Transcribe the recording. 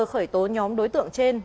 khởi tố nhóm đối tượng trên